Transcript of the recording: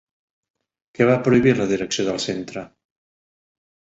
Què va prohibir la direcció del centre?